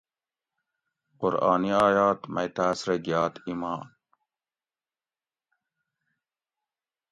قرآنِ آیات مئی تاۤس رہ گیات ایمان